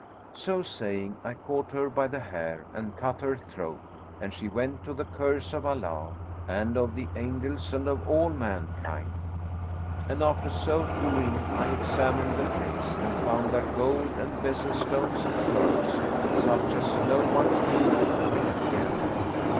So saying, I caught her by the hair and cut her throat; and she went to the curse of Allah and of the angels and of all mankind. And after so doing I examined the place and found there gold and bezel stones and pearls, such as no one king could bring together.